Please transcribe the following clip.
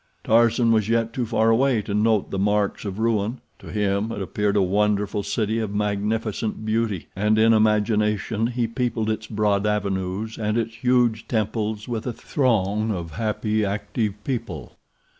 Tarzan was yet too far away to note the marks of ruin—to him it appeared a wonderful city of magnificent beauty, and in imagination he peopled its broad avenues and its huge temples with a throng of happy, active people.